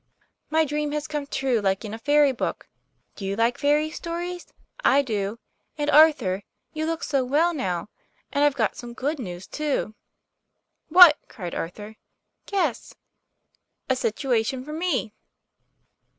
';< My dream has come true, like in a fairy book. Do you like fairy stories ? I do. And, Arthur, you look so well now. And I've got some good news, too. " "What?" cried Arthur. "Guess." "A situation for me."